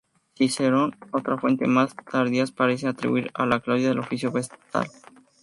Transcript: Cicerón y otras fuentes más tardías parecen atribuir a Claudia el oficio de vestal.